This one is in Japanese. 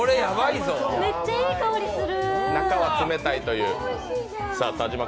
めっちゃいい香りする。